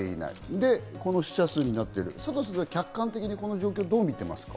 で、この死者数になっている、佐藤先生は客観的にこの状況をどう見ていますか？